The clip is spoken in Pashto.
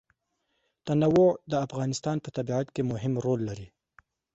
تنوع د افغانستان په طبیعت کې مهم رول لري.